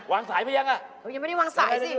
วางสายไปยัง